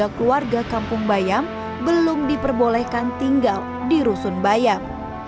sama satu ratus dua puluh tiga keluarga kampung bayam belum diperbolehkan tinggal di rusun bayam